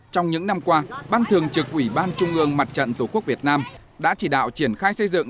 trong những năm qua ban thường trực ủy ban trung ương mặt trận tổ quốc việt nam đã chỉ đạo triển khai xây dựng